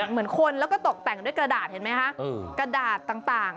เหมือนคนแล้วก็ตกแต่งด้วยกระดาษเห็นไหมคะกระดาษต่าง